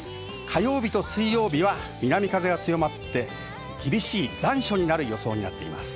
火曜日と水曜日は南風が強まって厳しい残暑になる予想です。